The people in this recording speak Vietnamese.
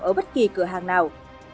ở bất kỳ cửa hàng nào